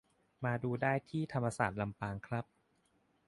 มาดูได้ที่ธรรมศาสตร์ลำปางครับ